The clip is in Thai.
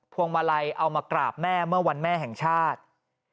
วงมาลัยเอามากราบแม่เมื่อวันแม่แห่งชาติ